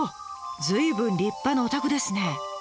随分立派なお宅ですね。